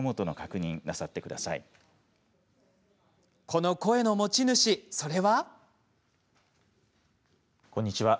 この声の持ち主、それは。